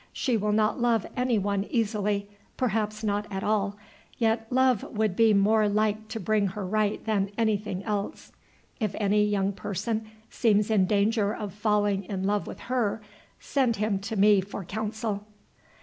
She will not love any one easily, perhaps not at all; yet love would be more like to bring her right than anything else. If any young person seems in danger of falling in love with her, send him to me for counsel."